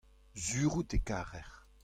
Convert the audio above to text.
sur out e karec'h.